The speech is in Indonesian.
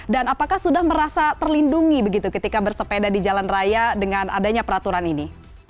dan apakah sudah merasa terlindungi begitu ketika bersepeda di jalan raya dengan adanya peraturan ini